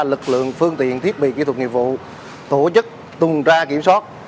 lực lượng phương tiện thiết bị kỹ thuật nghiệp vụ tổ chức tuần tra kiểm soát